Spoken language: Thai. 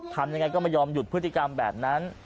ทำยังไงก็ไม่ยอมหยุดพฤติกรรมแบบนั้น